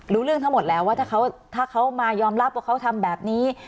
รู้เรื่องทั้งหมดแล้วว่าถ้าเขามายอมรับว่าเขาทำแบบนี้